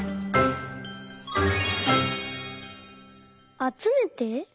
「あつめて」？